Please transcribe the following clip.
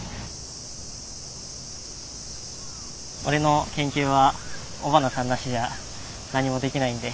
俺の研究は尾花さんなしじゃ何もできないんで。